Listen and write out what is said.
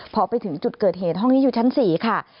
พอไปถึงจุดเกิดเหตุห้องนี้อยู่ชั้น๔ค่ะ